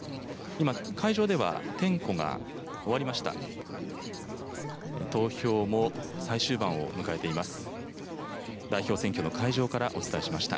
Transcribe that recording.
今、会場では点呼が終わりました。